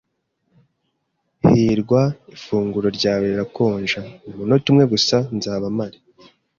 "hirwa, ifunguro ryawe rirakonja." "Umunota umwe gusa. Nzaba mpari."